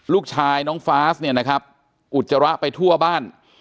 ลูกชายน้องฟาสเนี่ยนะครับอุจจาระไปทั่วบ้าน